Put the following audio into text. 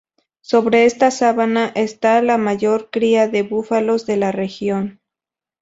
Sobre esta sabana está la mayor cría de búfalos de la región.